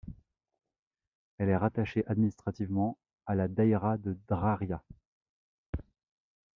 Elle est rattachée administrativement à la Daïra de Draria.